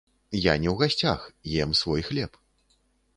Я не ў гасцях, ем свой хлеб.